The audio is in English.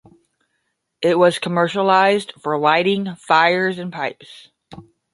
It was commercialized for lighting fires and pipes.